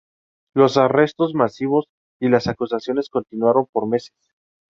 Los arrestos masivos y las acusaciones continuaron por meses.